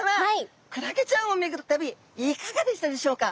クラゲちゃんを巡る旅いかがでしたでしょうか？